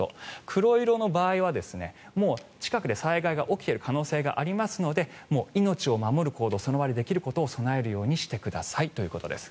黒色の場合はもう近くで災害が起きている可能性がありますので命を守る行動その場でできることを備えるようにしてくださいということです。